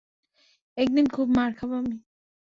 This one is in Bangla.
একদিন খুব মার খাবো আমি।